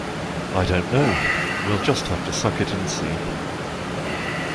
I don't know; we'll just have to suck it and see